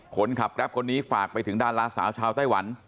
แกรปคนนี้ฝากไปถึงดาราสาวชาวไต้หวัน